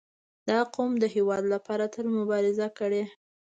• دا قوم د هېواد لپاره تل مبارزه کړې.